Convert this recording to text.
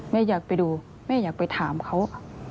แม่อยากไปดูแม่อยากไปถามเขา